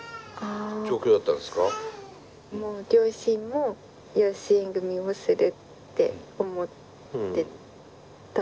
もう両親も養子縁組をするって思ってたと思います。